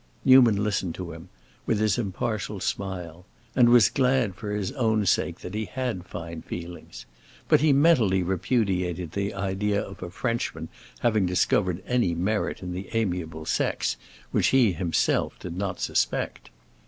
Newman listened to him with his impartial smile, and was glad, for his own sake, that he had fine feelings; but he mentally repudiated the idea of a Frenchman having discovered any merit in the amiable sex which he himself did not suspect.